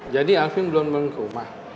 jadi alfi belum balik rumah